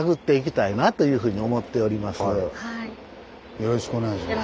よろしくお願いします。